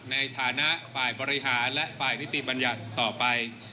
ในฐานะฝ่ายบริหารและฝ่ายนิติบัญญัติต่อไป